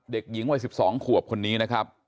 เด็กหญิงวัย๑๒ขวบคนนี้นะครับ